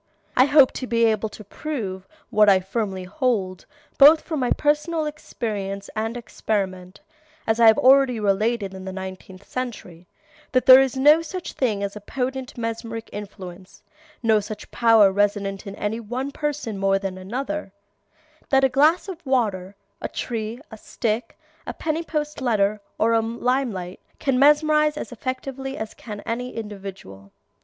I hope to be able to prove, what I firmly hold, both from my own personal experience and experiment, as I have already related in the Nineteenth Century, that there is no such thing as a potent mesmeric influence, no such power resident in any one person more than another; that a glass of water, a tree, a stick, a penny post letter, or a lime light can mesmerize as effectually as can any individual.